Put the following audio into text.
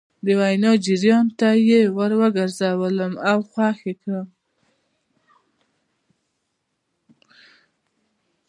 د وينا جريان ته يې ور ګرځولم او خوښ يې کړم.